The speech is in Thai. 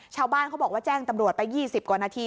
ชาวบ้านเขาบอกว่าแจ้งตำรวจไป๒๐กว่านาที